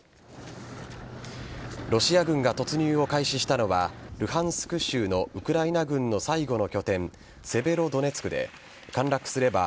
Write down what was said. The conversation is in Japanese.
ロシア軍が突入を開始したのはルハンスク州のウクライナ軍の最後の拠点セベロドネツクで陥落すれば